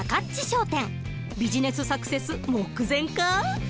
ビジネスサクセス目前か？